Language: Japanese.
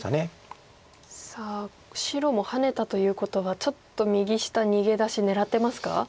さあ白もハネたということはちょっと右下逃げ出し狙ってますか？